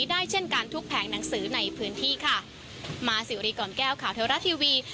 ได้เช่นกันทุกแผงหนังสือในพื้นที่ค่ะมาสิวรีก่อนแก้วข่าวเทวรัฐทีวี